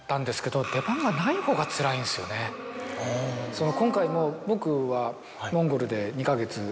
その今回も僕は。